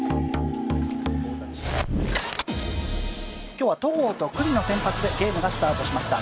今日は戸郷と九里の先発でゲームがスタートしました。